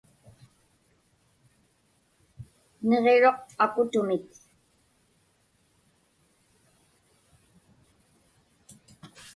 Niġiruq akutumik.